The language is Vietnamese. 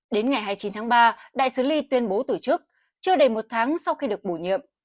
đến ngày hai mươi chín tháng ba đại sứ lee tuyên bố tử trức chưa đầy một tháng sau khi được bổ nhiệm